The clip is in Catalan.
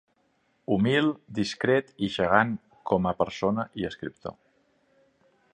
Humil, discret i gegant com a persona i escriptor.